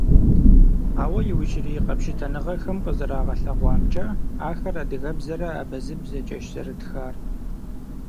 Ауэ иужьрей къэпщытэныгъэхэм къызэрагъэлъэгъуамкӀэ, ахэр адыгэбзэрэ абазэбзэкӀэщ зэрытхар.